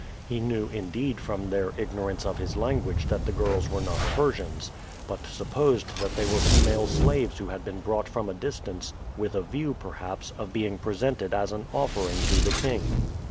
He knew indeed from their ignorance of his language that the girls were not Persians, but supposed that they were female slaves who had been brought from a distance, with a view, perhaps, of being presented as an offering to the king.